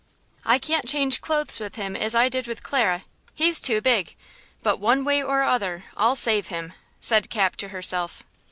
I can't change clothes with him as I did with Clara; he's too big, but one way or other I'll save him," said Cap, to herself.